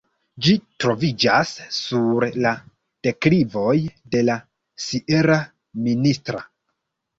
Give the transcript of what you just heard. Ĝi troviĝas sur la deklivoj de la sierra Ministra.